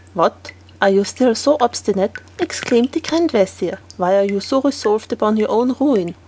"What, are you still so obstinate?" exclaimed the grand vizir. "Why are you so resolved upon your own ruin?"